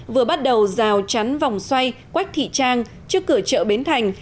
vừa bắt đầu rào chắn vòng xoay quách thị trang trước cửa chợ bến thành